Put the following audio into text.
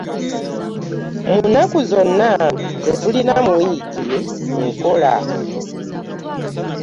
Mu nnaku zonna ze tulina mu wiiki nkola.